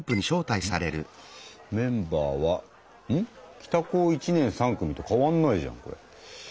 「北高１年３組」と変わんないじゃんこれ。